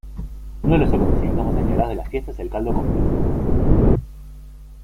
Uno de los acontecimientos más señalados de la fiesta es el caldo con pelotas.